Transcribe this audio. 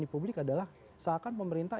di publik adalah seakan pemerintah